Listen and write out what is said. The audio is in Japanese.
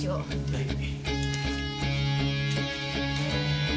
はい。